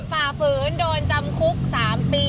ฝ่าฝืนโดนจำคุก๓ปี